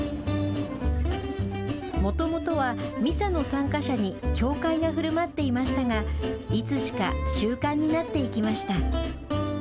もともとはミサの参加者に教会がふるまっていましたが、いつしか習慣になっていきました。